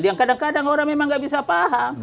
yang kadang kadang orang memang gak bisa paham